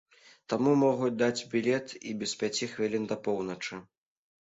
Таму могуць даць білет і без пяці хвілін да поўначы.